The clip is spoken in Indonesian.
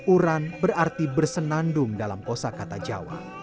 uran berarti bersenandung dalam kosa kata jawa